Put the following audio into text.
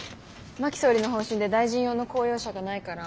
真木総理の方針で大臣用の公用車がないから。